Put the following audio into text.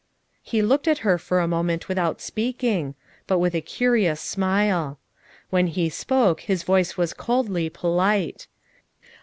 He looked at her for a moment without speaking, — but with a curious smile. When he spoke his voice was coldly polite.